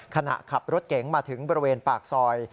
ขณะขับรถเก๋งมาถึงบริเวณปากซอย